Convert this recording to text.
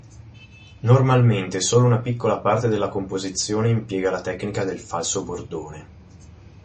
Normalmente solo una piccola parte della composizione impiega la tecnica del falso bordone.